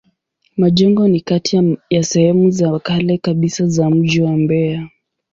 Majengo ni kati ya sehemu za kale kabisa za mji wa Mbeya.